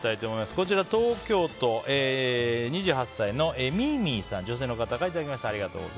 こちら、東京都２８歳の女性の方からいただきました。